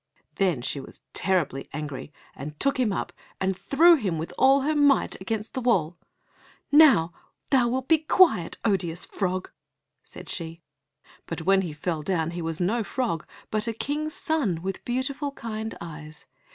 Then she was terribly angry, and took him up and threw him with all her might against the wall. "Now, thou wilt be quiet, odious frog," said she. But when he fell down he was no frog but a King's son with beautiful kind eyes.